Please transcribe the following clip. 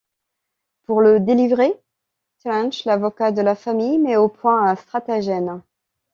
Pour le délivrer, Trench, l'avocat de la famille, met au point un stratagème.